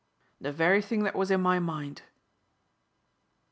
"The very thing that was in my mind."